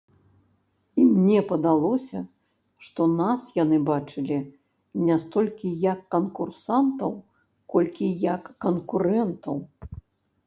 І мне падалося, што нас яны бачылі не столькі як канкурсантаў, колькі як канкурэнтаў.